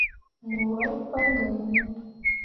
Mo wel pa gai ne.